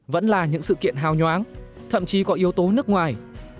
vẫn là những sự kiện hào nhoáng thậm chí có yếu tố nước ngoài